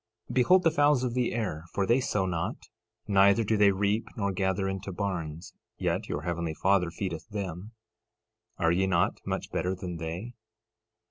13:26 Behold the fowls of the air, for they sow not, neither do they reap nor gather into barns; yet your heavenly Father feedeth them. Are ye not much better than they?